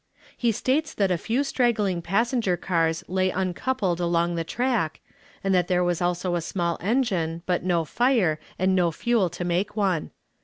He states that a few straggling passenger cars lay uncoupled along the track, and that there was also a small engine, but no fire, and no fuel to make one.